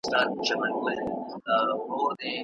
ماشوم ته ارزښت ورکول د هغه حق دی.